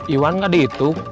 iwan gak di itu